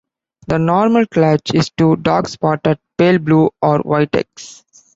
The normal clutch is two dark-spotted pale blue or white eggs.